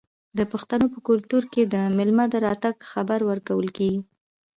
د پښتنو په کلتور کې د میلمه د راتګ خبر ورکول کیږي.